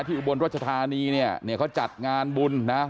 ที่อุบวนรัชธานีเนี้ยเนี้ยเขาจัดงานบุญนะฮะ